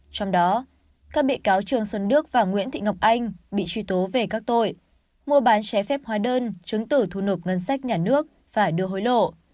trong đó các bị cáo trương xuân đức và nguyễn thị ngọc anh bị truy tố về các tội mua bán trái phép hóa đơn chứng tử thu nộp ngân sách nhà nước phải đưa hối lộ